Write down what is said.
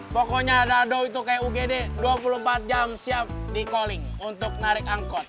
pokoknya dado itu kayak ugd dua puluh empat jam siap di calling untuk narik angkot